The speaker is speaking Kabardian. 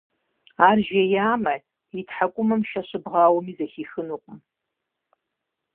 Ар жеямэ, и тхьэкӏумэм шэ щыбгъауэми зэхихынукъым.